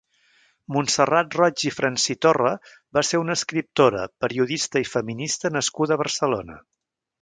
Montserrat Roig i Fransitorra va ser una escriptora, periodista i feminista nascuda a Barcelona.